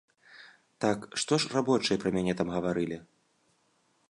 Так, што ж рабочыя пра мяне там гаварылі?